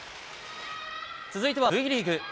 続いてはＶリーグ。